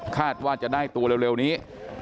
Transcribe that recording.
ว่าจะได้ตัวเร็วนี้